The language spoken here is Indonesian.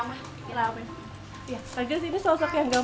mbak grace ini sosok yang gampang didekati atau sebaliknya apalagi dengan nama tahir